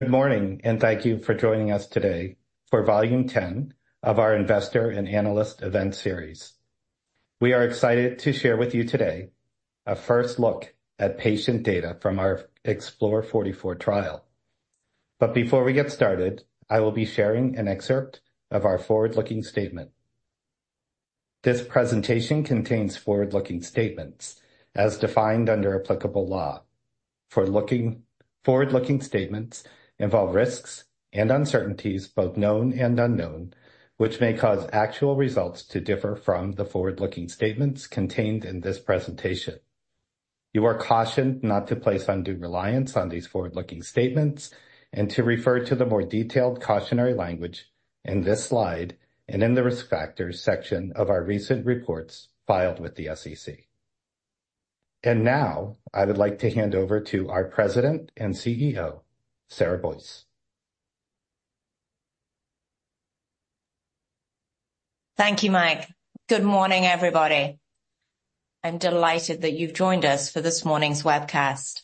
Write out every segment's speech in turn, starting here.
Good morning, and thank you for joining us today for Volume 10 of our Investor and Analyst Event Series. We are excited to share with you today a first look at patient data from our EXPLORE44 trial. But before we get started, I will be sharing an excerpt of our forward-looking statement. This presentation contains forward-looking statements as defined under applicable law. Forward-looking statements involve risks and uncertainties, both known and unknown, which may cause actual results to differ from the forward-looking statements contained in this presentation. You are cautioned not to place undue reliance on these forward-looking statements and to refer to the more detailed cautionary language in this slide and in the risk factors section of our recent reports filed with the SEC. And now, I would like to hand over to our President and CEO, Sarah Boyce. Thank you, Mike. Good morning, everybody. I'm delighted that you've joined us for this morning's webcast.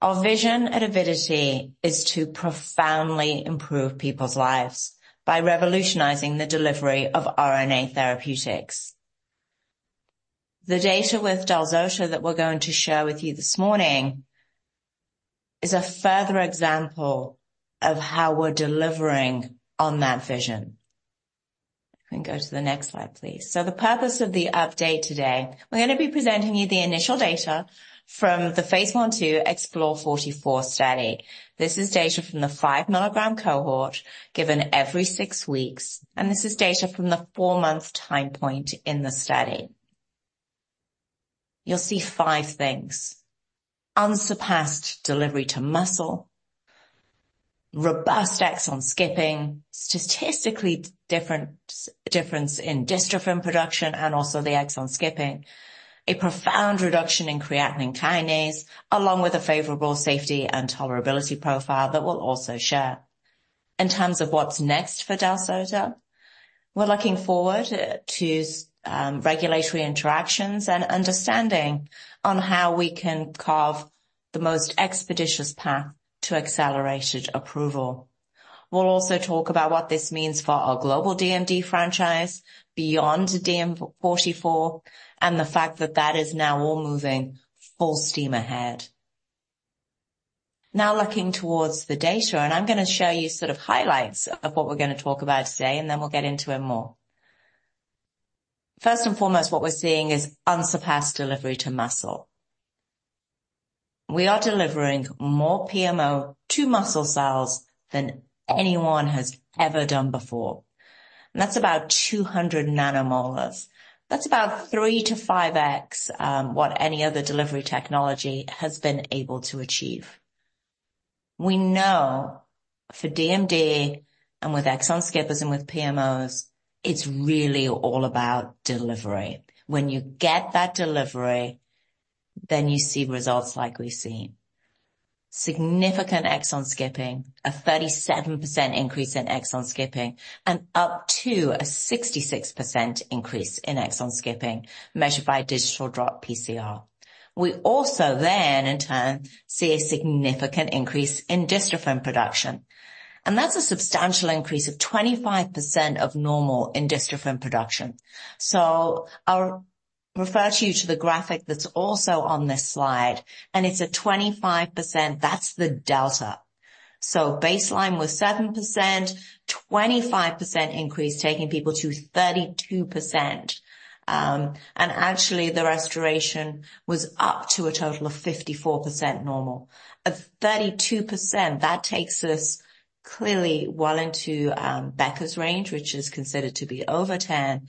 Our vision at Avidity is to profoundly improve people's lives by revolutionizing the delivery of RNA therapeutics. The data with del-zota that we're going to share with you this morning is a further example of how we're delivering on that vision. You can go to the next slide, please. So the purpose of the update today, we're gonna be presenting you the initial data from the Phase I/II EXPLORE44 study. This is data from the 5 mg cohort, given every six weeks, and this is data from the 4-month time point in the study. You'll see five things: unsurpassed delivery to muscle, robust exon skipping, statistically difference, difference in dystrophin production, and also the exon skipping, a profound reduction in creatine kinase, along with a favorable safety and tolerability profile that we'll also share. In terms of what's next for del-zota, we're looking forward to regulatory interactions and understanding on how we can carve the most expeditious path to accelerated approval. We'll also talk about what this means for our global DMD franchise beyond DMD44, and the fact that that is now all moving full steam ahead. Now, looking towards the data, and I'm gonna show you sort of highlights of what we're gonna talk about today, and then we'll get into it more. First and foremost, what we're seeing is unsurpassed delivery to muscle. We are delivering more PMO to muscle cells than anyone has ever done before. That's about 200 nM. That's about 3x-5x what any other delivery technology has been able to achieve. We know for DMD and with exon skippers and with PMOs, it's really all about delivery. When you get that delivery, then you see results like we've seen. Significant exon skipping, a 37% increase in exon skipping, and up to a 66% increase in exon skipping, measured by digital droplet PCR. We also then, in turn, see a significant increase in dystrophin production, and that's a substantial increase of 25% of normal in dystrophin production. So I'll refer to you to the graphic that's also on this slide, and it's a 25%. That's the delta. So baseline was 7%, 25% increase, taking people to 32%. And actually, the restoration was up to a total of 54% normal. A 32%, that takes us clearly well into Becker's range, which is considered to be over 10,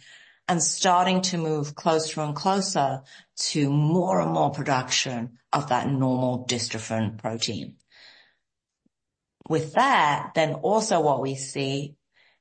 and starting to move closer and closer to more and more production of that normal dystrophin protein. With that, then also what we see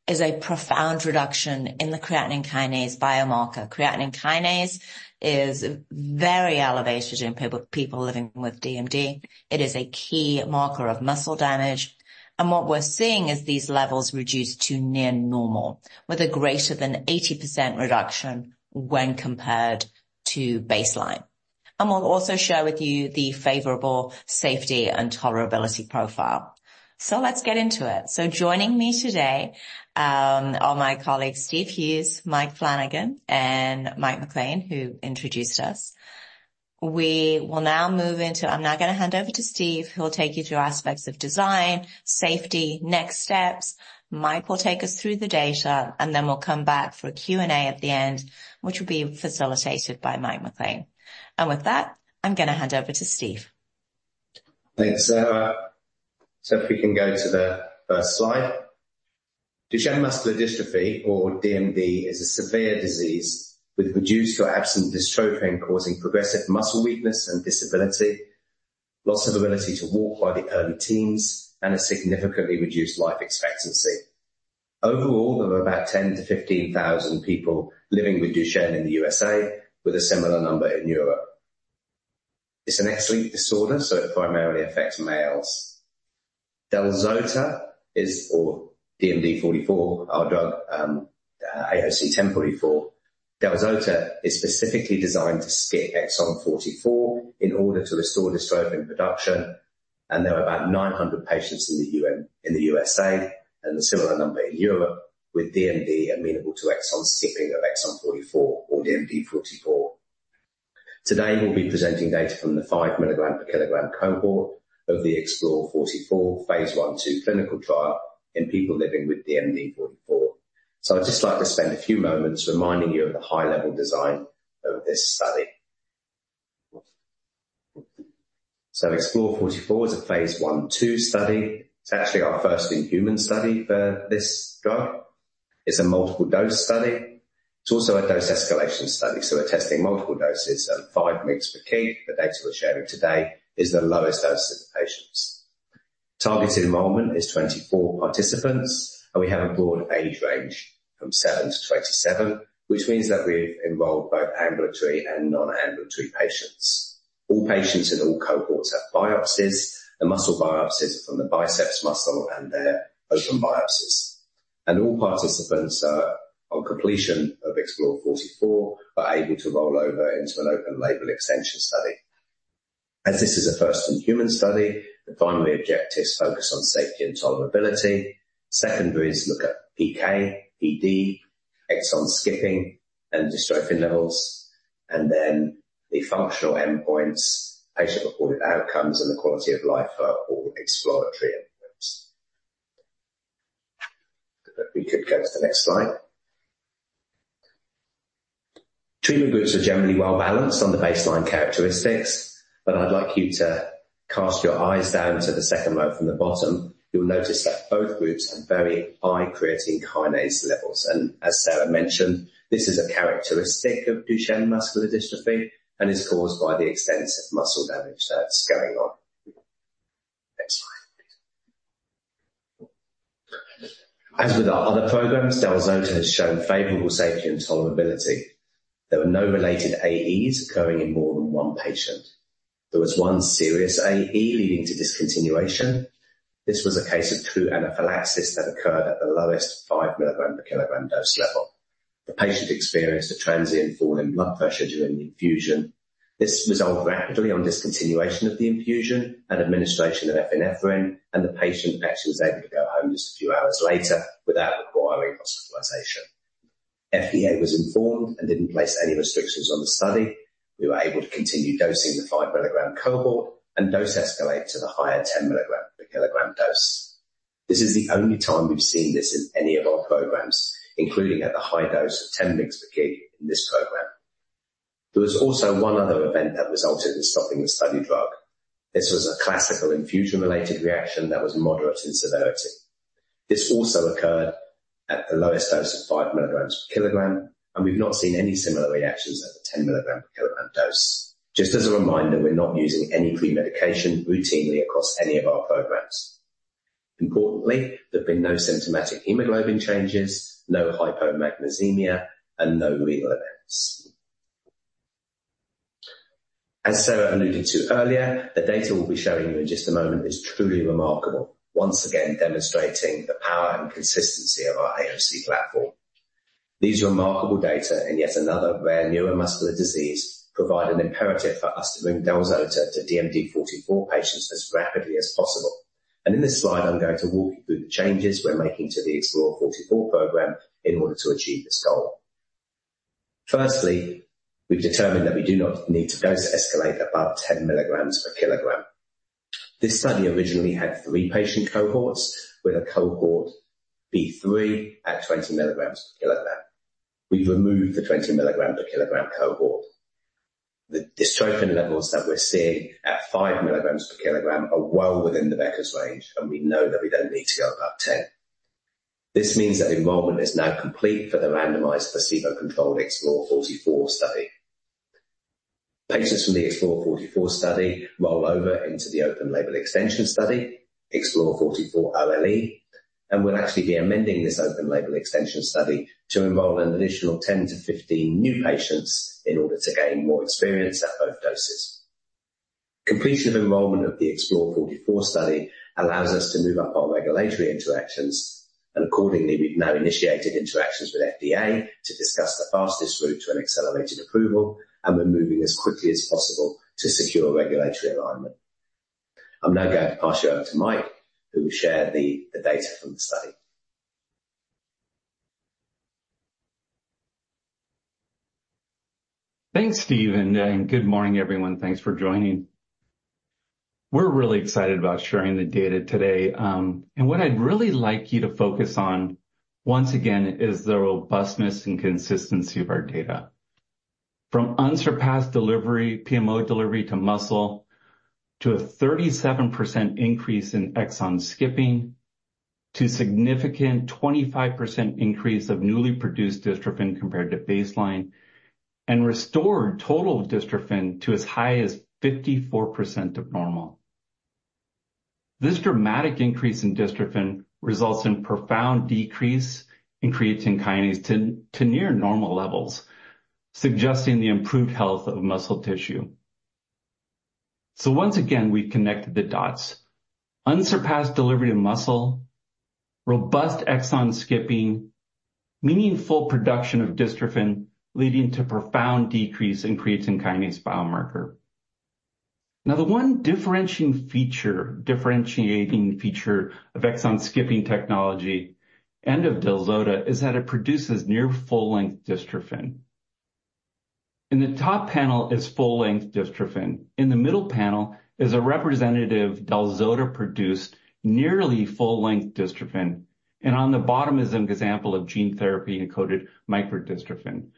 is a profound reduction in the creatine kinase biomarker. Creatine kinase is very elevated in people living with DMD. It is a key marker of muscle damage, and what we're seeing is these levels reduced to near normal, with a greater than 80% reduction when compared to baseline. And we'll also share with you the favorable safety and tolerability profile. So let's get into it. Joining me today are my colleagues, Steve Hughes, Mike Flanagan, and Mike MacLean, who introduced us. We will now move into... I'm now gonna hand over to Steve, who will take you through aspects of design, safety, next steps. Mike will take us through the data, and then we'll come back for a Q&A at the end, which will be facilitated by Mike MacLean. With that, I'm gonna hand over to Steve. Thanks, Sarah. So if we can go to the first slide. Duchenne muscular dystrophy, or DMD, is a severe disease with reduced or absent dystrophin, causing progressive muscle weakness and disability, loss of ability to walk by the early teens, and a significantly reduced life expectancy. Overall, there are about 10,000-15,000 people living with Duchenne in the USA, with a similar number in Europe. It's an X-linked disorder, so it primarily affects males. Del-zota is for DMD44, our drug, AOC 1044 del-zota is specifically designed to skip exon 44 in order to restore dystrophin production, and there are about 900 patients in the USA and a similar number in Europe, with DMD amenable to exon skipping of exon 44 or DMD44. Today, we'll be presenting data from the 5 mg/kg cohort of the EXPLORE44, Phase I/II clinical trial in people living with DMD44. So I'd just like to spend a few moments reminding you of the high-level design of this study. So EXPLORE44 is a Phase I/II study. It's actually our first in-human study for this drug. It's a multiple dose study. It's also a dose escalation study, so we're testing multiple doses at 5 mg/kg. The data we're sharing today is the lowest dose in the patients. Targeted enrollment is 24 participants, and we have a broad age range from 7-27, which means that we've involved both ambulatory and non-ambulatory patients. All patients in all cohorts have biopsies. The muscle biopsies are from the biceps muscle, and they're open biopsies. All participants are, on completion of EXPLORE44, able to roll over into an open label extension study. As this is a first in human study, the primary objectives focus on safety and tolerability. Secondaries look at PK, PD, exon skipping and dystrophin levels, and then the functional endpoints, patient-reported outcomes, and the quality of life are all exploratory endpoints. If we could go to the next slide. Treatment groups are generally well-balanced on the baseline characteristics, but I'd like you to cast your eyes down to the second row from the bottom. You'll notice that both groups have very high creatine kinase levels, and as Sarah mentioned, this is a characteristic of Duchenne muscular dystrophy and is caused by the extensive muscle damage that's going on. Next slide. As with our other programs, del-zota has shown favorable safety and tolerability. There were no related AEs occurring in more than one patient. There was one serious AE leading to discontinuation. This was a case of true anaphylaxis that occurred at the mg/kg dose level. The patient experienced a transient fall in blood pressure during the infusion. This resolved rapidly on discontinuation of the infusion and administration of epinephrine, and the patient actually was able to go home just a few hours later without requiring hospitalization. FDA was informed and didn't place any restrictions on the study. We were able to continue dosing the 5 mg cohort and dose escalate to the mg/kg dose. this is the only time we've seen this in any of our programs, including at the high dose of 10 mg/kg in this program. There was also one other event that resulted in stopping the study drug. This was a classical infusion-related reaction that was moderate in severity. This also occurred at the lowest dose of 5 mg/kg, and we've not seen any similar reactions at mg/kg dose. just as a reminder, we're not using any pre-medication routinely across any of our programs. Importantly, there have been no symptomatic hemoglobin changes, no hypomagnesemia, and no renal events. As Sarah alluded to earlier, the data we'll be showing you in just a moment is truly remarkable, once again demonstrating the power and consistency of our AOC platform. These remarkable data and yet another rare neuromuscular disease provide an imperative for us to bring del-zota to DMD44 patients as rapidly as possible. In this slide, I'm going to walk you through the changes we're making to the EXPLORE44 program in order to achieve this goal. Firstly, we've determined that we do not need to dose escalate mg/kg. this study originally had three patient cohorts, with a cohort B3 at 20 mg/kg. we've removed 20 mg/kg cohort. the dystrophin levels that we're seeing mg/kg are well within the Becker's range, and we know that we don't need to go above 10. This means that enrollment is now complete for the randomized, placebo-controlled EXPLORE44 study. Patients from the EXPLORE44 study roll over into the open label extension study, EXPLORE44-OLE, and we'll actually be amending this open label extension study to enroll an additional 10-15 new patients in order to gain more experience at both doses. Completion of enrollment of the EXPLORE44 study allows us to move up our regulatory interactions, and accordingly, we've now initiated interactions with FDA to discuss the fastest route to an accelerated approval, and we're moving as quickly as possible to secure regulatory alignment. I'm now going to pass you over to Mike, who will share the data from the study. Thanks, Steve, and good morning, everyone. Thanks for joining. We're really excited about sharing the data today, and what I'd really like you to focus on once again is the robustness and consistency of our data. From unsurpassed delivery, PMO delivery to muscle, to a 37% increase in exon skipping, to significant 25% increase of newly produced dystrophin compared to baseline and restored total dystrophin to as high as 54% of normal. This dramatic increase in dystrophin results in profound decrease in creatine kinase to near normal levels, suggesting the improved health of muscle tissue. So once again, we've connected the dots. Unsurpassed delivery of muscle, robust exon skipping, meaningful production of dystrophin, leading to profound decrease in creatine kinase biomarker. Now, the one differentiating feature, differentiating feature of exon skipping technology and of del-zota is that it produces near full-length dystrophin. In the top panel is full-length dystrophin. In the middle panel is a representative del-zota-produced, nearly full-length dystrophin, and on the bottom is an example of gene therapy-encoded micro dystrophin.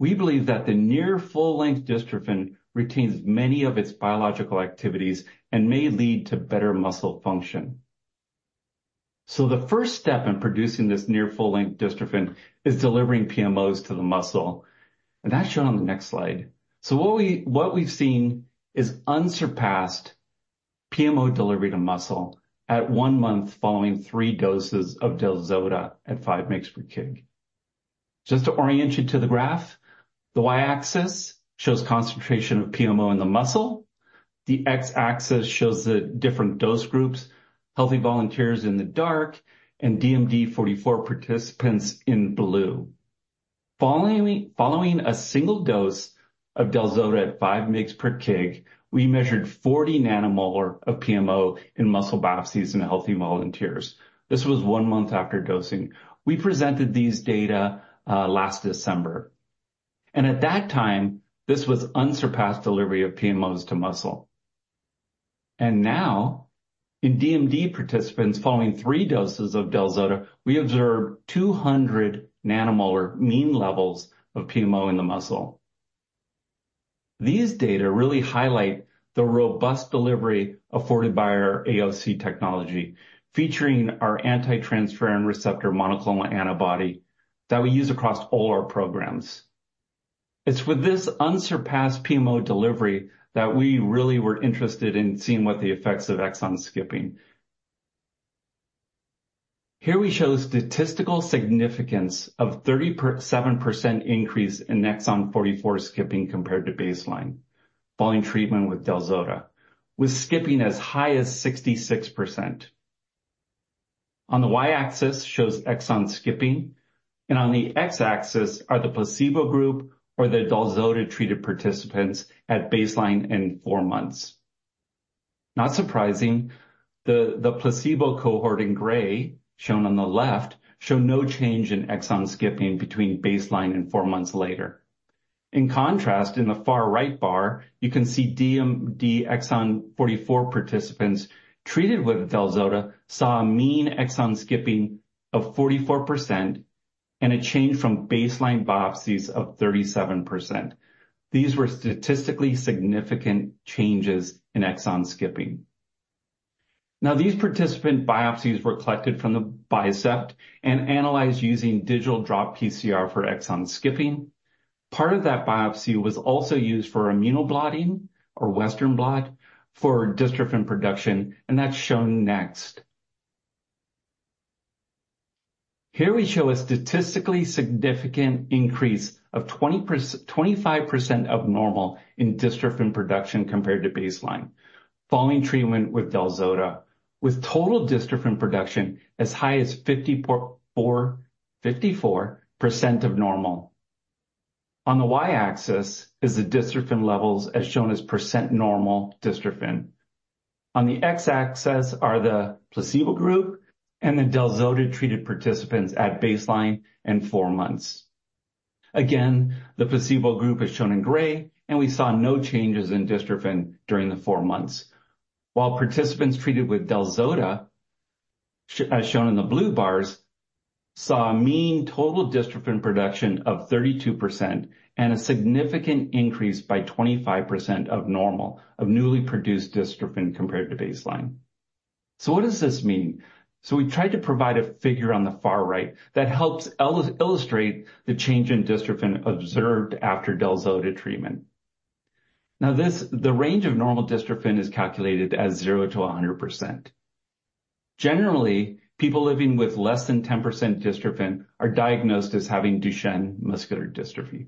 We believe that the near full-length dystrophin retains many of its biological activities and may lead to better muscle function. So the first step in producing this near full-length dystrophin is delivering PMOs to the muscle, and that's shown on the next slide. So what we, what we've seen is unsurpassed PMO delivery to muscle at one month following three doses of del-zota at 5 mg/kg. Just to orient you to the graph, the y-axis shows concentration of PMO in the muscle, the x-axis shows the different dose groups, healthy volunteers in the dark, and DMD44 participants in blue. Following a single dose of del-zota at 5 mg/kg, we measured 40 nM of PMO in muscle biopsies in healthy volunteers. This was one month after dosing. We presented these data last December, and at that time, this was unsurpassed delivery of PMOs to muscle. And now, in DMD participants, following three doses of del-zota, we observed 200 nM mean levels of PMO in the muscle. These data really highlight the robust delivery afforded by our AOC technology, featuring our anti-transferrin receptor monoclonal antibody that we use across all our programs. It's with this unsurpassed PMO delivery that we really were interested in seeing what the effects of exon skipping. Here we show statistical significance of 37% increase in exon 44 skipping compared to baseline following treatment with del-zota, with skipping as high as 66%. On the y-axis, shows exon skipping, and on the x-axis are the placebo group or the del-zota-treated participants at baseline and 4 months. Not surprising, the placebo cohort in gray, shown on the left, show no change in exon skipping between baseline and 4 months later. In contrast, in the far right bar, you can see DMD exon 44 participants treated with del-zota saw a mean exon skipping of 44% and a change from baseline biopsies of 37%. These were statistically significant changes in exon skipping. Now, these participant biopsies were collected from the bicep and analyzed using digital droplet PCR for exon skipping. Part of that biopsy was also used for immunoblotting or Western blot for dystrophin production, and that's shown next. Here we show a statistically significant increase of 20%-25% of normal in dystrophin production compared to baseline, following treatment with del-zota, with total dystrophin production as high as 54, 54% of normal. On the y-axis is the dystrophin levels, as shown as % normal dystrophin. On the x-axis are the placebo group and the del-zota-treated participants at baseline and 4 months. Again, the placebo group is shown in gray, and we saw no changes in dystrophin during the 4 months. While participants treated with del-zota, as shown in the blue bars, saw a mean total dystrophin production of 32% and a significant increase by 25% of normal of newly produced dystrophin compared to baseline. So what does this mean? We've tried to provide a figure on the far right that helps illustrate the change in dystrophin observed after del-zota treatment. Now, this, the range of normal dystrophin is calculated as 0%-100%. Generally, people living with less than 10% dystrophin are diagnosed as having Duchenne muscular dystrophy.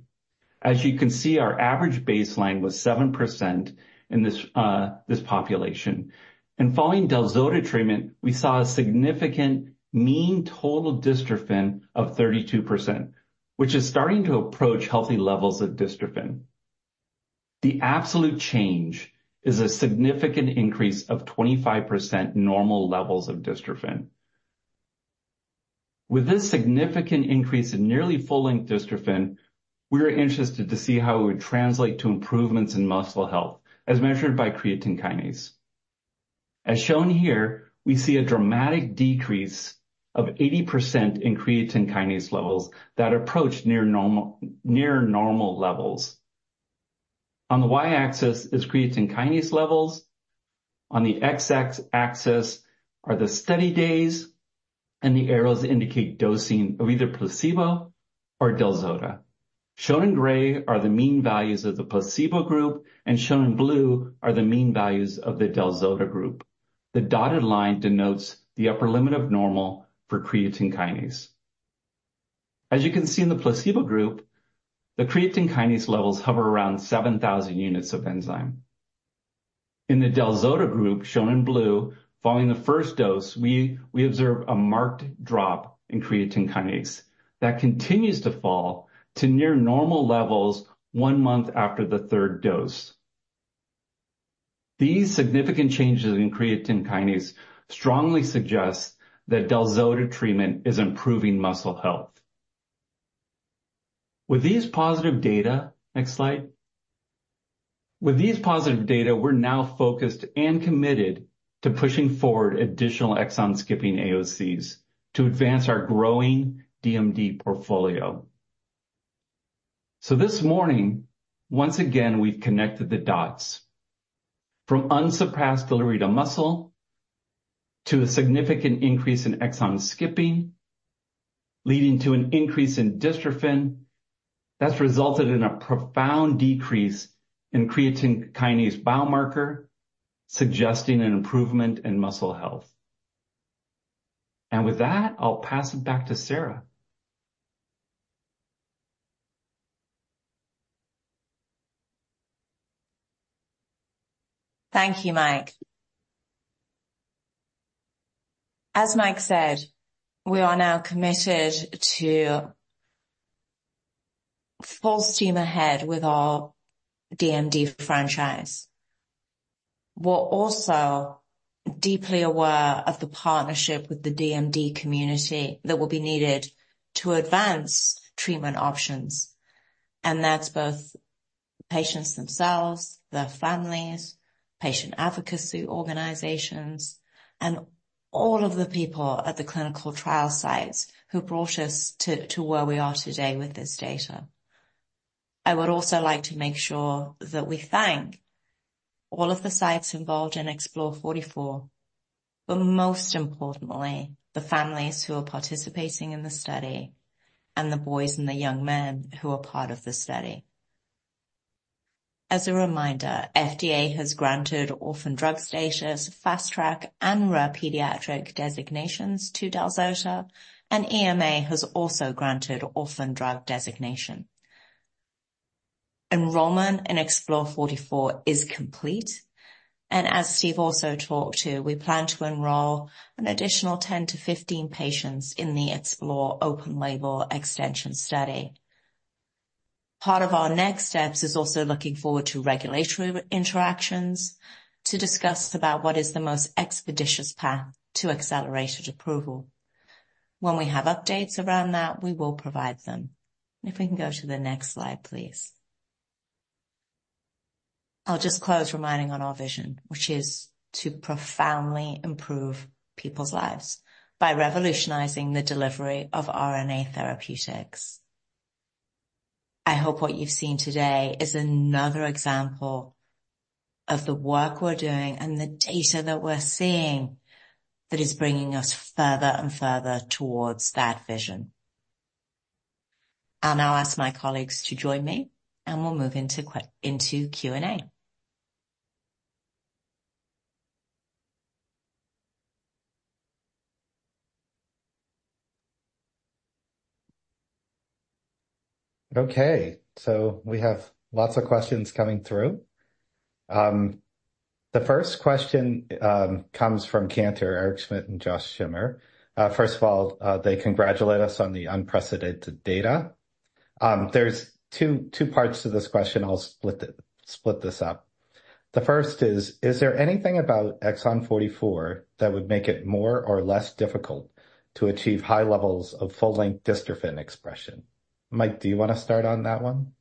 As you can see, our average baseline was 7% in this, this population, and following del-zota treatment, we saw a significant mean total dystrophin of 32%, which is starting to approach healthy levels of dystrophin. The absolute change is a significant increase of 25% normal levels of dystrophin. With this significant increase in nearly full-length dystrophin, we are interested to see how it would translate to improvements in muscle health, as measured by creatine kinase. As shown here, we see a dramatic decrease of 80% in creatine kinase levels that approach near normal, near normal levels. On the y-axis is creatine kinase levels, on the x-axis are the study days, and the arrows indicate dosing of either placebo or del-zota. Shown in gray are the mean values of the placebo group, and shown in blue are the mean values of the del-zota group. The dotted line denotes the upper limit of normal for creatine kinase. As you can see in the placebo group, the creatine kinase levels hover around 7,000 units of enzyme. In the del-zota group, shown in blue, following the first dose, we observed a marked drop in creatine kinase that continues to fall to near normal levels one month after the third dose. These significant changes in creatine kinase strongly suggest that del-zota treatment is improving muscle health. With these positive data, next slide. With these positive data, we're now focused and committed to pushing forward additional exon-skipping AOCs to advance our growing DMD portfolio. So this morning, once again, we've connected the dots from unsurpassed delivery to muscle, to a significant increase in exon skipping, leading to an increase in dystrophin that's resulted in a profound decrease in creatine kinase biomarker, suggesting an improvement in muscle health. And with that, I'll pass it back to Sarah. Thank you, Mike. As Mike said, we are now committed to full steam ahead with our DMD franchise. We're also deeply aware of the partnership with the DMD community that will be needed to advance treatment options, and that's both patients themselves, their families, patient advocacy organizations, and all of the people at the clinical trial sites who brought us to where we are today with this data. I would also like to make sure that we thank all of the sites involved in EXPLORE44, but most importantly, the families who are participating in the study and the boys and the young men who are part of the study. As a reminder, FDA has granted orphan drug status, Fast Track, and Rare Pediatric Designations to del-zota, and EMA has also granted Orphan Drug Designation. Enrollment in EXPLORE44 is complete, and as Steve also talked to, we plan to enroll an additional 10-15 patients in the EXPLORE44 open label extension study. Part of our next steps is also looking forward to regulatory interactions to discuss about what is the most expeditious path to accelerated approval. When we have updates around that, we will provide them. If we can go to the next slide, please. I'll just close, reminding on our vision, which is to profoundly improve people's lives by revolutionizing the delivery of RNA therapeutics. I hope what you've seen today is another example of the work we're doing and the data that we're seeing that is bringing us further and further towards that vision. I'll now ask my colleagues to join me, and we'll move into Q&A. Okay, so we have lots of questions coming through. The first question comes from Cantor, Eric Schmidt and Josh Schimmer. First of all, they congratulate us on the unprecedented data. There's two, two parts to this question. I'll split it, split this up. The first is: Is there anything about exon 44 that would make it more or less difficult to achieve high levels of full-length dystrophin expression? Mike, do you want to start on that one?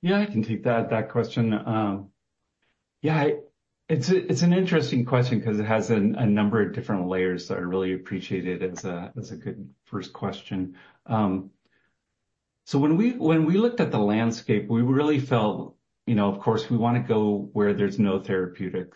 Yeah, I can take that, that question. Yeah, it's a, it's an interesting question because it has a, a number of different layers, so I really appreciate it as a, as a good first question. So when we, when we looked at the landscape, we really felt, you know, of course, we want to go where there's no therapeutic,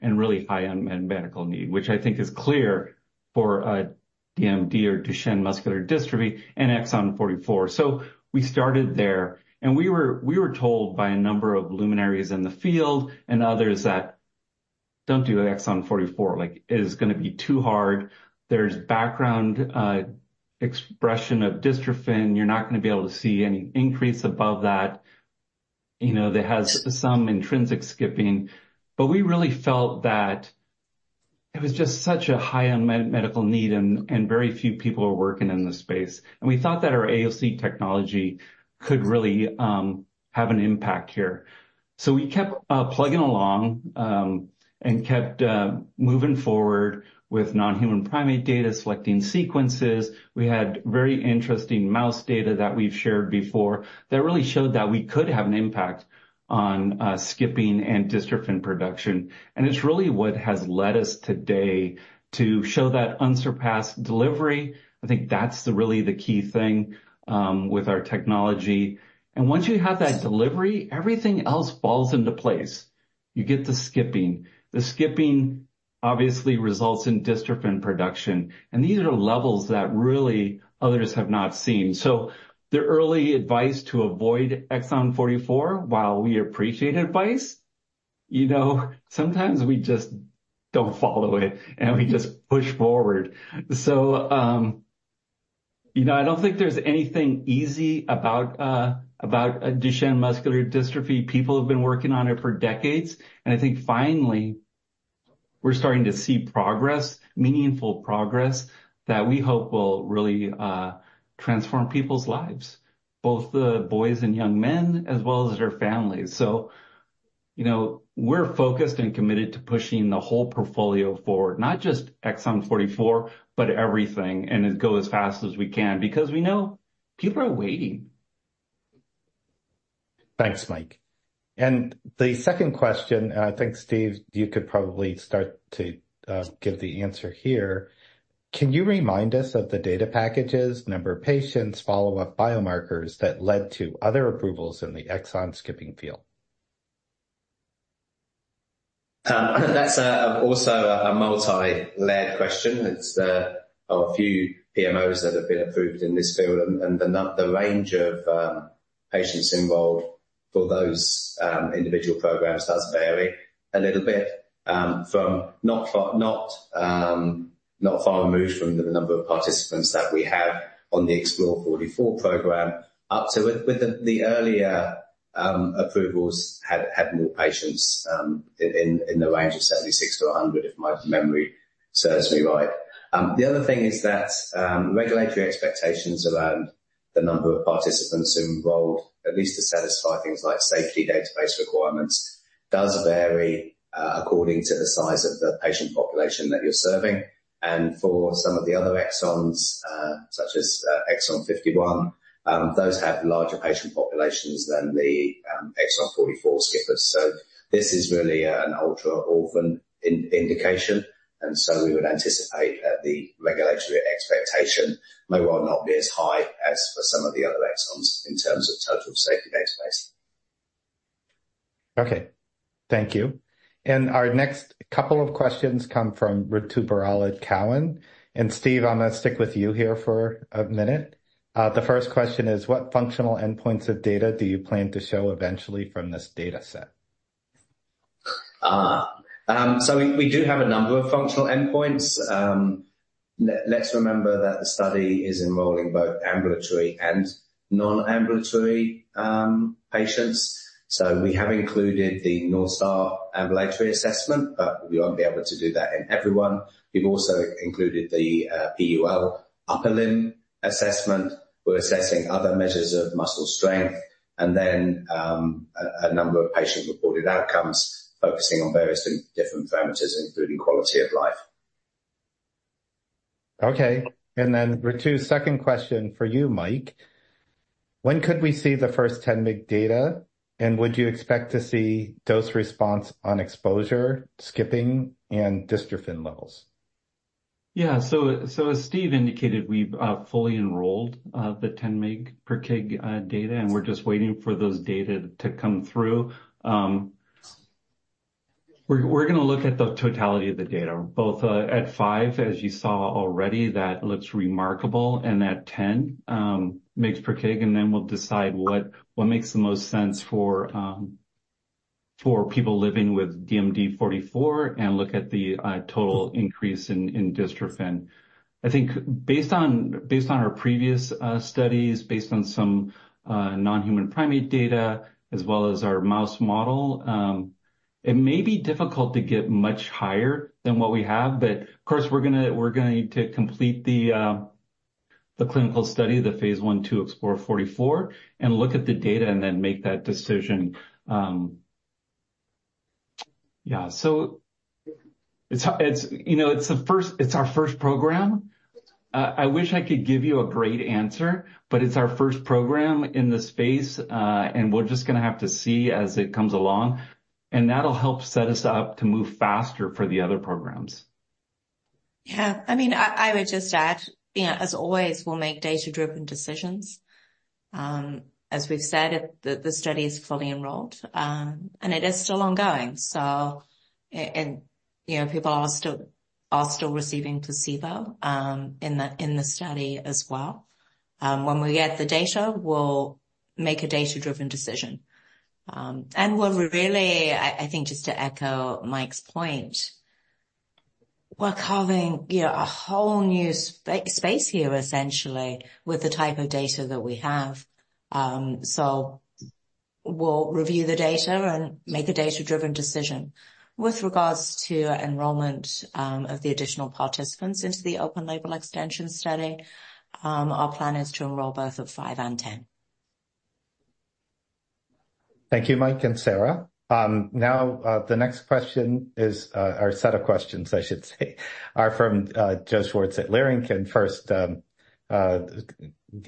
and really high unmet medical need, which I think is clear for, DMD or Duchenne muscular dystrophy and exon 44. So we started there, and we were, we were told by a number of luminaries in the field and others that, "Don't do exon 44," like, "It is gonna be too hard. There's background, expression of dystrophin. You're not gonna be able to see any increase above that. You know, that has some intrinsic skipping." But we really felt that it was just such a high unmet medical need and very few people are working in this space, and we thought that our AOC technology could really have an impact here. So we kept plugging along and kept moving forward with non-human primate data, selecting sequences. We had very interesting mouse data that we've shared before that really showed that we could have an impact on skipping and dystrophin production, and it's really what has led us today to show that unsurpassed delivery. I think that's really the key thing with our technology. And once you have that delivery, everything else falls into place. You get the skipping. The skipping obviously results in dystrophin production, and these are levels that really others have not seen. So the early advice to avoid exon 44, while we appreciate advice. You know, sometimes we just don't follow it, and we just push forward. So, you know, I don't think there's anything easy about, about Duchenne muscular dystrophy. People have been working on it for decades, and I think finally we're starting to see progress, meaningful progress, that we hope will really, transform people's lives, both the boys and young men, as well as their families. So, you know, we're focused and committed to pushing the whole portfolio forward, not just exon 44, but everything, and as go as fast as we can because we know people are waiting. Thanks, Mike. The second question, I think, Steve, you could probably start to give the answer here. Can you remind us of the data packages, number of patients, follow-up biomarkers, that led to other approvals in the exon skipping field? That's also a multi-layered question. It's a few PMOs that have been approved in this field, and the range of patients involved for those individual programs does vary a little bit, from not far removed from the number of participants that we have on the EXPLORE44 program up to the earlier approvals had more patients, in the range of 76 to 100, if my memory serves me right. The other thing is that regulatory expectations around the number of participants involved, at least to satisfy things like safety database requirements, does vary according to the size of the patient population that you're serving. And for some of the other exons, such as exon 51, those have larger patient populations than the exon 44 skippers. So this is really an ultra-orphan indication, and so we would anticipate that the regulatory expectation may well not be as high as for some of the other exons in terms of total safety database. Okay, thank you. Our next couple of questions come from Ritu Baral at Cowen. Steve, I'm going to stick with you here for a minute. The first question is, what functional endpoints of data do you plan to show eventually from this data set? So we do have a number of functional endpoints. Let's remember that the study is enrolling both ambulatory and non-ambulatory patients. So we have included the North Star Ambulatory Assessment, but we won't be able to do that in every one. We've also included the PUL Upper Limb Assessment. We're assessing other measures of muscle strength and then a number of patient-reported outcomes focusing on various and different parameters, including quality of life. Okay, and then, Ritu, second question for you, Mike. When could we see the first 10 mg data, and would you expect to see dose response on exposure, skipping and dystrophin levels? Yeah. So as Steve indicated, we've fully enrolled the 10 mg/kg data, and we're just waiting for those data to come through. We're gonna look at the totality of the data, both at 5, as you saw already, that looks remarkable, and at 10 mg/kg, and then we'll decide what makes the most sense for people living with DMD44 and look at the total increase in dystrophin. I think based on our previous studies, based on some non-human primate data as well as our mouse model, it may be difficult to get much higher than what we have, but of course, we're going to complete the clinical study, the phase I/II EXPLORE44, and look at the data and then make that decision. Yeah, so it's, you know, it's the first—it's our first program. I wish I could give you a great answer, but it's our first program in this space, and we're just gonna have to see as it comes along, and that'll help set us up to move faster for the other programs. Yeah. I mean, I would just add, you know, as always, we'll make data-driven decisions. As we've said, the study is fully enrolled, and it is still ongoing. So, you know, people are still receiving placebo in the study as well. When we get the data, we'll make a data-driven decision. And we're really... I think, just to echo Mike's point, we're carving, you know, a whole new space here, essentially with the type of data that we have. So we'll review the data and make a data-driven decision. With regards to enrollment of the additional participants into the open label extension study, our plan is to enroll both at five and 10. Thank you, Mike and Sarah. Now, the next question is, or set of questions, I should say, are from Joe Schwartz at Leerink. First, you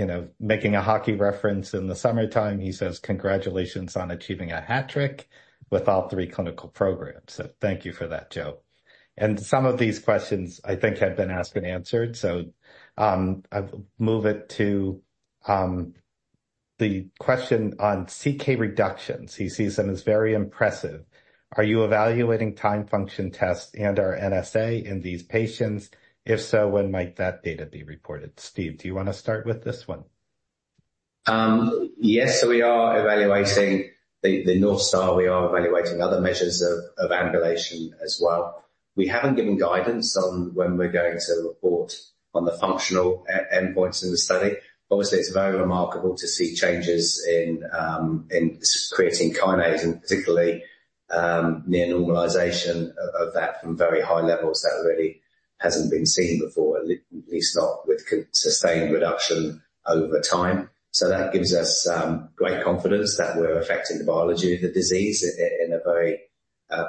know, making a hockey reference in the summertime, he says, "Congratulations on achieving a hat trick with all three clinical programs." So thank you for that, Joe. Some of these questions I think have been asked and answered, so I'll move it to the question on CK reductions. He sees them as very impressive. Are you evaluating time function tests and/or NSAA in these patients? If so, when might that data be reported? Steve, do you want to start with this one? Yes, so we are evaluating the North Star. We are evaluating other measures of ambulation as well. We haven't given guidance on when we're going to report on the functional endpoints in the study. Obviously, it's very remarkable to see changes in creatine kinase and particularly near normalization of that from very high levels that really hasn't been seen before, at least not with sustained reduction over time. So that gives us great confidence that we're affecting the biology of the disease in a very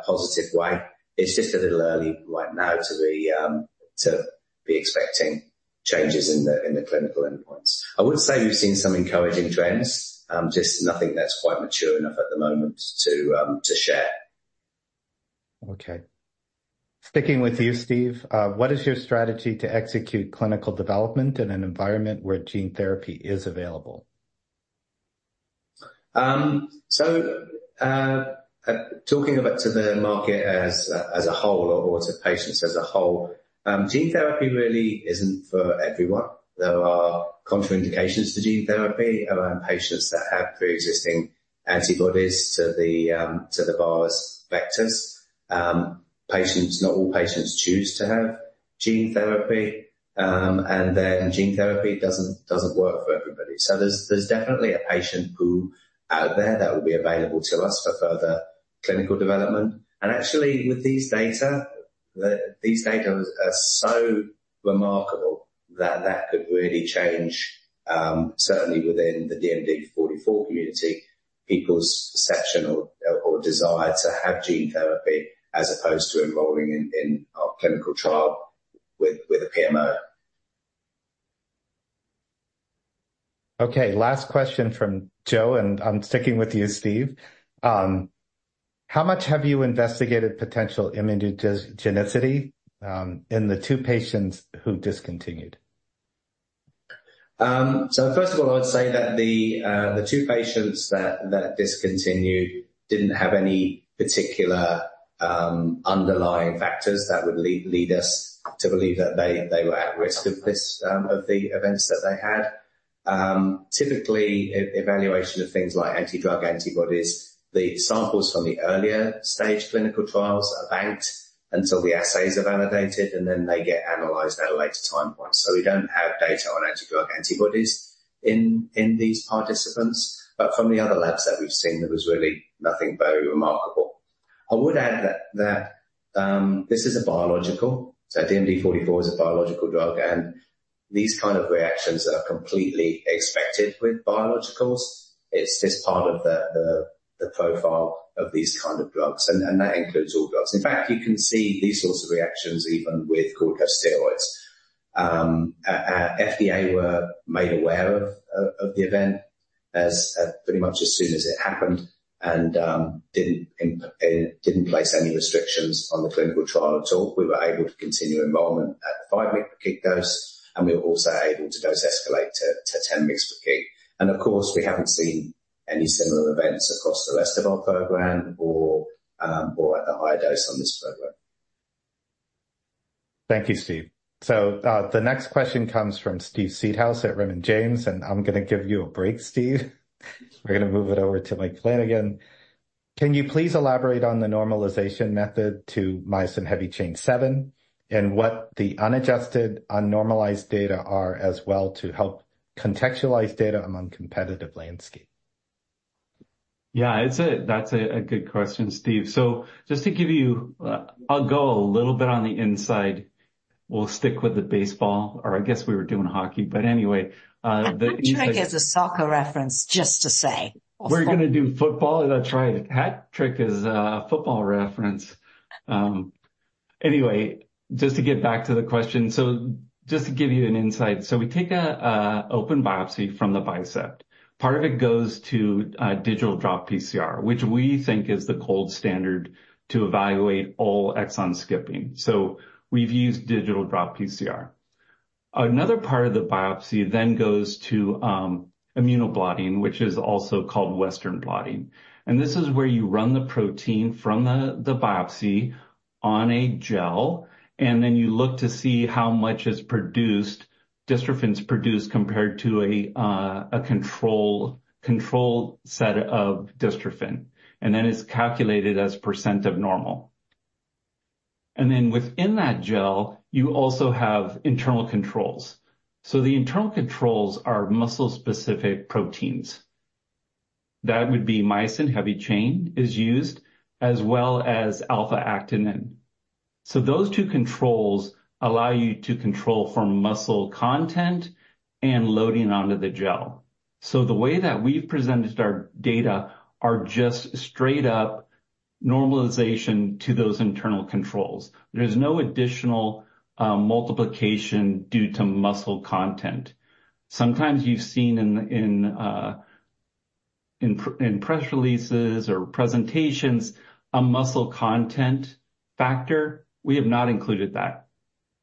positive way. It's just a little early right now to be expecting changes in the clinical endpoints. I would say we've seen some encouraging trends, just nothing that's quite mature enough at the moment to share. Okay. Sticking with you, Steve, what is your strategy to execute clinical development in an environment where gene therapy is available? So, talking about to the market as a whole or to patients as a whole, gene therapy really isn't for everyone. There are contraindications to gene therapy around patients that have pre-existing antibodies to the virus vectors. Patients... Not all patients choose to have gene therapy, and then gene therapy doesn't work for everybody. So there's definitely a patient pool out there that will be available to us for further clinical development. And actually, with these data, these data are so remarkable that that could really change, certainly within the DMD44 community, people's perception or desire to have gene therapy, as opposed to enrolling in our clinical trial with a PMO. Okay, last question from Joe, and I'm sticking with you, Steve. How much have you investigated potential immunogenicity in the two patients who discontinued? So first of all, I'd say that the two patients that discontinued didn't have any particular underlying factors that would lead us to believe that they were at risk of this of the events that they had. Typically, evaluation of things like anti-drug antibodies, the samples from the earlier stage clinical trials are banked until the assays are validated, and then they get analyzed at a later time point. So we don't have data on anti-drug antibodies in these participants, but from the other labs that we've seen, there was really nothing very remarkable. I would add that this is a biological, so DMD44 is a biological drug, and these kind of reactions are completely expected with biologicals. It's just part of the profile of these kind of drugs, and that includes all drugs. In fact, you can see these sorts of reactions even with corticosteroids. FDA were made aware of the event as pretty much as soon as it happened and didn't place any restrictions on the clinical trial at all. We were able to continue enrollment at the 5 mg/kg dose, and we were also able to dose escalate to 10 mg/kg. And of course, we haven't seen any similar events across the rest of our program or at the higher dose on this program. Thank you, Steve. So, the next question comes from Steve Seedhouse at Raymond James, and I'm gonna give you a break, Steve. We're gonna move it over to Mike Flanagan. Can you please elaborate on the normalization method to myosin heavy chain 7, and what the unadjusted, unnormalized data are as well to help contextualize data among competitive landscape? Yeah, it's a... That's a good question, Steve. So just to give you, I'll go a little bit on the inside. We'll stick with the baseball, or I guess we were doing hockey, but anyway, the- Hat trick is a soccer reference, just to say. We're gonna do football. That's right. Hat trick is a football reference. Anyway, just to get back to the question, so just to give you an insight, so we take an open biopsy from the bicep. Part of it goes to a digital droplet PCR, which we think is the gold standard to evaluate all exon skipping, so we've used digital droplet PCR. Another part of the biopsy then goes to immunoblotting, which is also called Western blotting, and this is where you run the protein from the biopsy on a gel, and then you look to see how much is produced, dystrophin is produced compared to a control set of dystrophin, and then it's calculated as % of normal. And then within that gel, you also have internal controls. So the internal controls are muscle-specific proteins. That would be myosin heavy chain is used, as well as alpha-actinin. So those two controls allow you to control for muscle content and loading onto the gel. So the way that we've presented our data are just straight up normalization to those internal controls. There's no additional multiplication due to muscle content. Sometimes you've seen in press releases or presentations, a muscle content factor. We have not included that.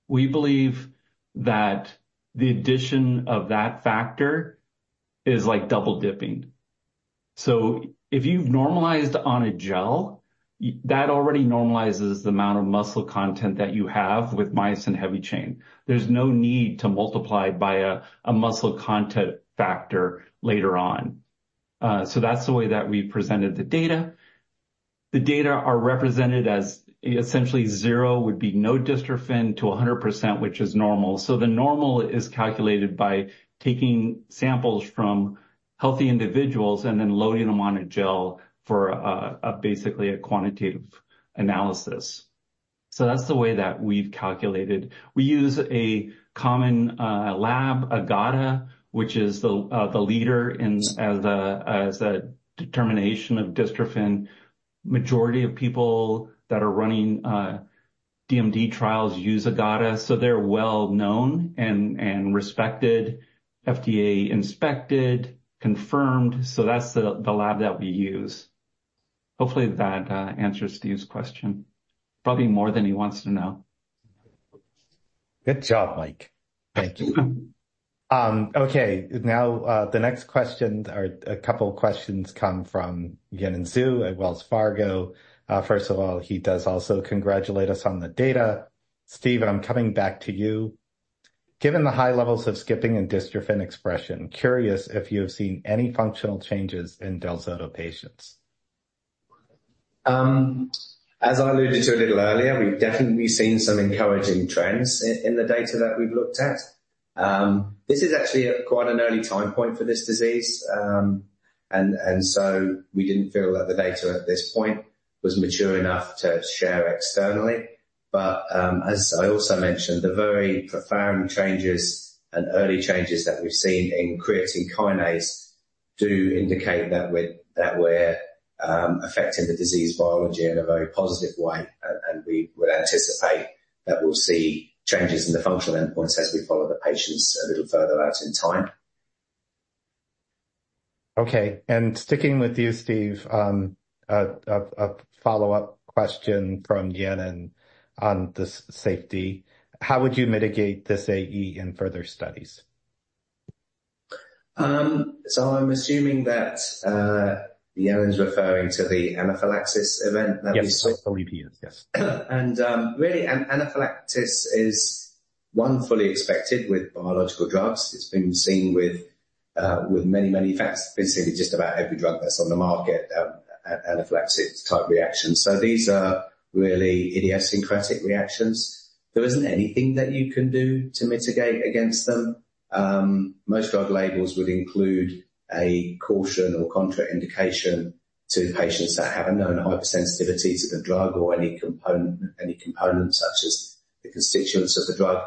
We believe that the addition of that factor is like double dipping. So if you've normalized on a gel, that already normalizes the amount of muscle content that you have with myosin heavy chain. There's no need to multiply by a muscle content factor later on. So that's the way that we presented the data. The data are represented as essentially 0%, which would be no dystrophin, to 100%, which is normal. So the normal is calculated by taking samples from healthy individuals and then loading them on a gel for basically a quantitative analysis. So that's the way that we've calculated. We use a common lab, AGADA, which is the leader in the determination of dystrophin. Majority of people that are running DMD trials use AGADA, so they're well known and respected, FDA inspected, confirmed. So that's the lab that we use. Hopefully, that answers Steve's question, probably more than he wants to know. Good job, Mike. Thank you. Okay, now, the next question, or a couple of questions, come from Yanan Xu at Wells Fargo. First of all, he does also congratulate us on the data. Steve, I'm coming back to you. Given the high levels of skipping and dystrophin expression, curious if you have seen any functional changes in del-zota patients? As I alluded to a little earlier, we've definitely seen some encouraging trends in the data that we've looked at. This is actually a quite an early time point for this disease, and so we didn't feel that the data at this point was mature enough to share externally. But, as I also mentioned, the very profound changes and early changes that we've seen in creatine kinase do indicate that we're affecting the disease biology in a very positive way, and we would anticipate that we'll see changes in the functional endpoints as we follow the patients a little further out in time. Okay, and sticking with you, Steve, a follow-up question from Yanan on the safety: How would you mitigate this AE in further studies? I'm assuming that Yanan's referring to the anaphylaxis event that we saw. Yes. OEPs, yes. Really, anaphylaxis is one fully expected with biological drugs. It's been seen with many, many facts, basically, just about every drug that's on the market, an anaphylaxis-type reaction. So these are really idiosyncratic reactions. There isn't anything that you can do to mitigate against them. Most drug labels would include a caution or contraindication to patients that have a known hypersensitivity to the drug or any component, any component, such as the constituents of the drug.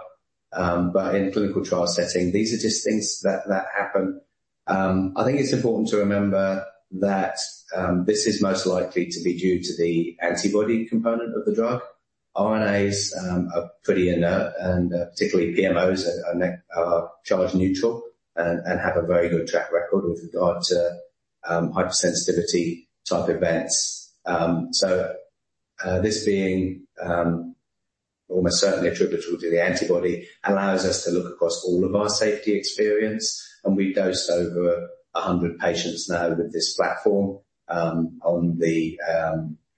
But in clinical trial setting, these are just things that happen. I think it's important to remember that this is most likely to be due to the antibody component of the drug. RNAs are pretty inert, and particularly PMOs are charge neutral and have a very good track record with regard to hypersensitivity-type events. So, this being almost certainly attributable to the antibody, allows us to look across all of our safety experience, and we've dosed over 100 patients now with this platform. On the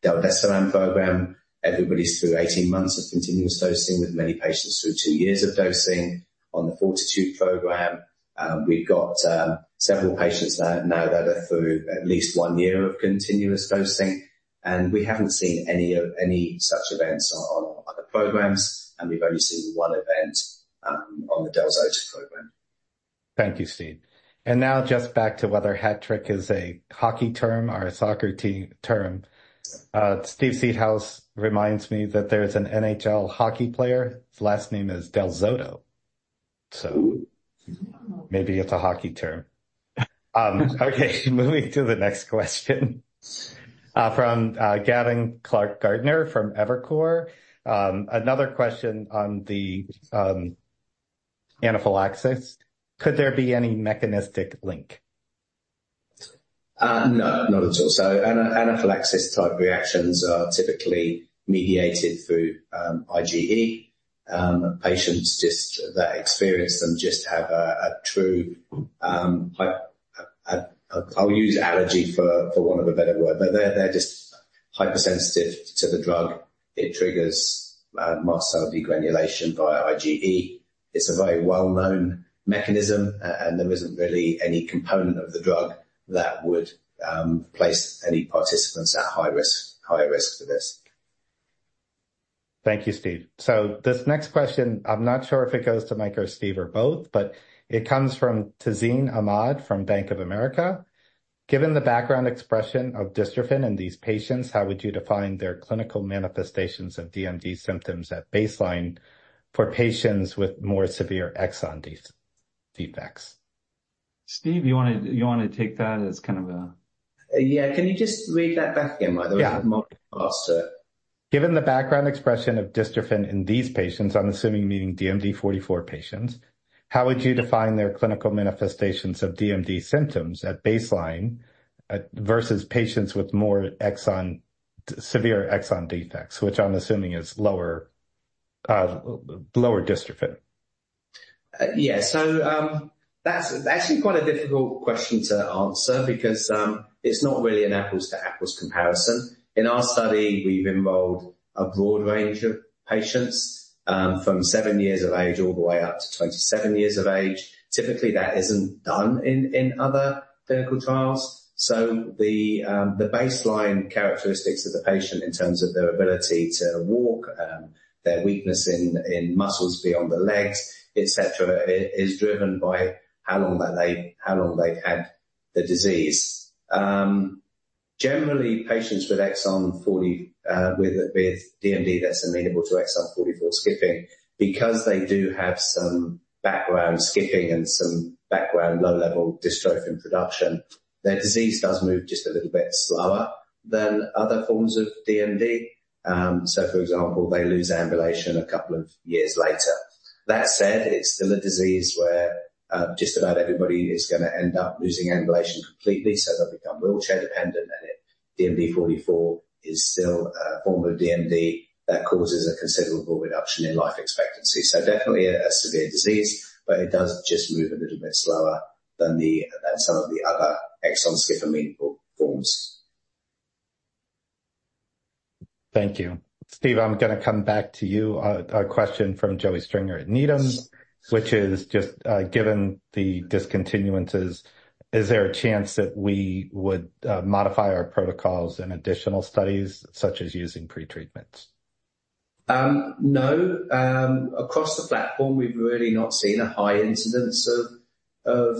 del-desiran program, everybody's through 18 months of continuous dosing, with many patients through two years of dosing. On the FORTITUDE program, we've got several patients that are through at least one year of continuous dosing, and we haven't seen any such events on other programs, and we've only seen one event on the del-zota program. Thank you, Steve. And now just back to whether hat trick is a hockey term or a soccer team term. Steve Seedhouse reminds me that there is an NHL hockey player. His last name is Del Zotto, so maybe it's a hockey term. Okay, moving to the next question, from Gavin Clark-Gartner from Evercore. Another question on the anaphylaxis. Could there be any mechanistic link? No, not at all. So anaphylaxis type reactions are typically mediated through IgE. Patients that experience them have a true allergy for want of a better word, but they're just hypersensitive to the drug. It triggers mast cell degranulation via IgE. It's a very well-known mechanism, and there isn't really any component of the drug that would place any participants at high risk for this. Thank you, Steve. So this next question, I'm not sure if it goes to Mike or Steve or both, but it comes from Tazeen Ahmad from Bank of America. Given the background expression of dystrophin in these patients, how would you define their clinical manifestations of DMD symptoms at baseline for patients with more severe exon defects? Steve, you want to, you want to take that as kind of a- Yeah. Can you just read that back again, Mike? Yeah. There was multiple parts to it. Given the background expression of dystrophin in these patients, I'm assuming meaning DMD44 patients, how would you define their clinical manifestations of DMD symptoms at baseline, at, versus patients with more exon, severe exon defects, which I'm assuming is lower, lower dystrophin? Yeah, so, that's actually quite a difficult question to answer because, it's not really an apples to apples comparison. In our study, we've enrolled a broad range of patients, from 7 years of age all the way up to 27 years of age. Typically, that isn't done in other clinical trials, so the baseline characteristics of the patient in terms of their ability to walk, their weakness in muscles beyond the legs, et cetera, is driven by how long they've had the disease. Generally, patients with exon 40, with DMD that's amenable to exon 44 skipping, because they do have some background skipping and some background low-level dystrophin production, their disease does move just a little bit slower than other forms of DMD. So, for example, they lose ambulation a couple of years later. That said, it's still a disease where, just about everybody is gonna end up losing ambulation completely, so they'll become wheelchair dependent, and DMD44 is still a form of DMD that causes a considerable reduction in life expectancy. So definitely a severe disease, but it does just move a little bit slower than some of the other exon skipping amenable forms. Thank you. Steve, I'm gonna come back to you. A question from Joey Stringer at Needham, which is just, given the discontinuances, is there a chance that we would modify our protocols in additional studies, such as using pre-treatments? No. Across the platform, we've really not seen a high incidence of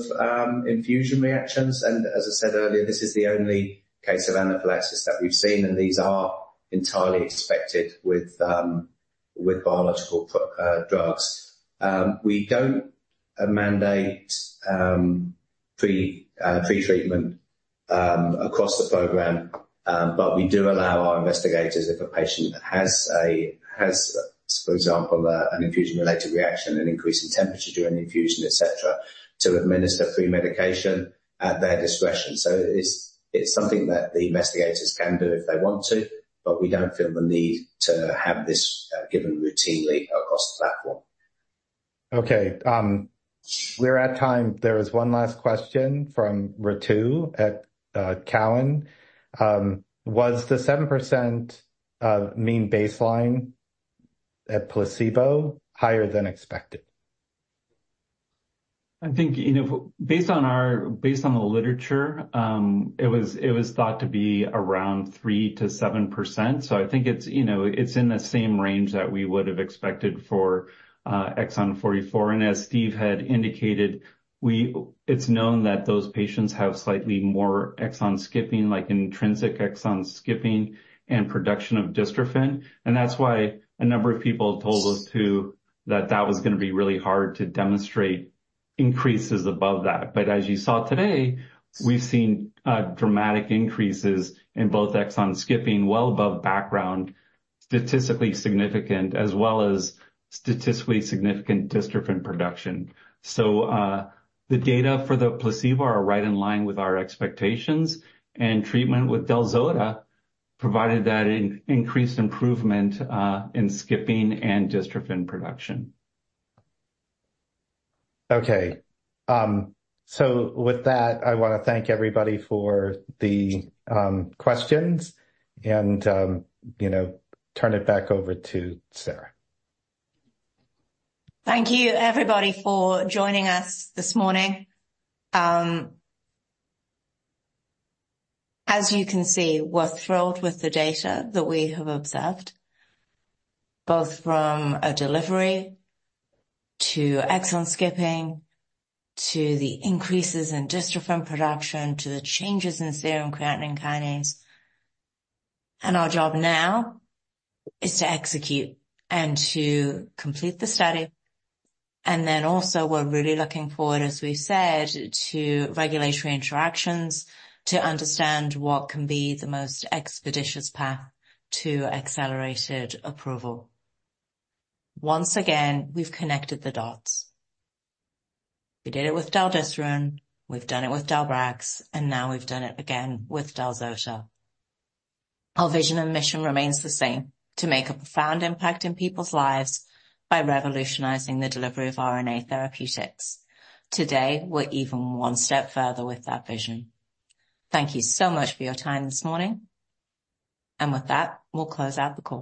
infusion reactions, and as I said earlier, this is the only case of anaphylaxis that we've seen, and these are entirely expected with biological drugs. We don't mandate pre-treatment across the program, but we do allow our investigators, if a patient has, for example, an infusion-related reaction, an increase in temperature during infusion, et cetera, to administer pre-medication at their discretion. So it's something that the investigators can do if they want to, but we don't feel the need to have this given routinely across the platform. Okay, we're at time. There is one last question from Ritu at Cowen. Was the 7% of mean baseline at placebo higher than expected? I think, you know, based on our-- based on the literature, it was, it was thought to be around 3%-7%. So I think it's, you know, it's in the same range that we would have expected for, exon 44. And as Steve had indicated, it's known that those patients have slightly more exon skipping, like intrinsic exon skipping and production of dystrophin, and that's why a number of people told us, too, that that was gonna be really hard to demonstrate increases above that. But as you saw today, we've seen, dramatic increases in both exon skipping, well above background, statistically significant, as well as statistically significant dystrophin production. So, the data for the placebo are right in line with our expectations, and treatment with del-zota provided that increased improvement, in skipping and dystrophin production. Okay, so with that, I wanna thank everybody for the questions, and you know, turn it back over to Sarah. Thank you, everybody, for joining us this morning. As you can see, we're thrilled with the data that we have observed, both from a delivery to exon skipping, to the increases in dystrophin production, to the changes in serum creatine kinase. Our job now is to execute and to complete the study, and then also we're really looking forward, as we've said, to regulatory interactions to understand what can be the most expeditious path to accelerated approval. Once again, we've connected the dots. We did it with del-desiran, we've done it with del-brax, and now we've done it again with del-zota. Our vision and mission remains the same: to make a profound impact in people's lives by revolutionizing the delivery of RNA therapeutics. Today, we're even one step further with that vision. Thank you so much for your time this morning, and with that, we'll close out the call.